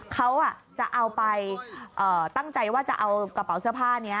เขาจะเอาไปตั้งใจว่าจะเอากระเป๋าเสื้อผ้านี้